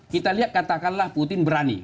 kita lihat katakanlah putin berani